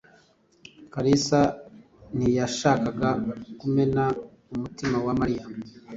Kalisa ntiyashakaga kumena umutima wa Mariya.